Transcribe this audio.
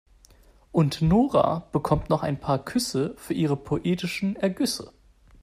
Und Nora bekommt noch ein paar Küsse für ihre poetischen Ergüsse.